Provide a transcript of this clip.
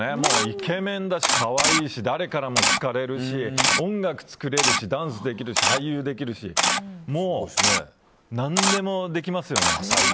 イケメンだし可愛いし誰からも好かれるし音楽作れるし、ダンスできるし俳優できるし何でもできますよね。